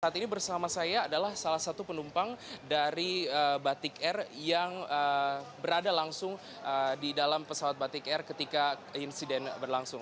saat ini bersama saya adalah salah satu penumpang dari batik air yang berada langsung di dalam pesawat batik air ketika insiden berlangsung